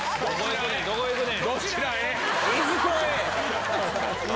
どこ行くねん。